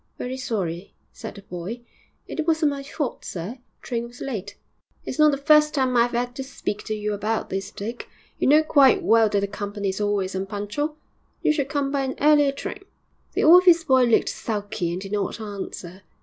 'Very sorry,' said the boy; 'it wasn't my fault, sir; train was late.' 'It's not the first time I've 'ad to speak to you about this, Dick; you know quite well that the company is always unpunctual; you should come by an earlier train.' The office boy looked sulky and did not answer.